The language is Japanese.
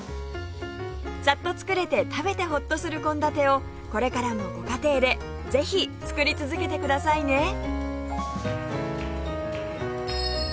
さっと作れて食べてホッとする献立をこれからもご家庭でぜひ作り続けてくださいね